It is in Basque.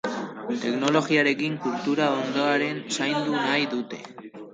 Teknologiarekin kultura ondarea zaindu nahi dute.